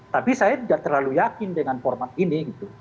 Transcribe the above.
tapi saya tidak terlalu yakin dengan format ini gitu